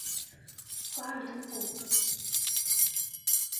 瓦尔东布。